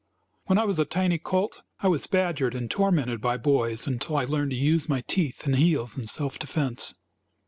When I was a tiny colt I was badgered and tormented by boys until I learned to use my teeth and heels in self defence.